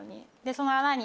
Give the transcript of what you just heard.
その穴に。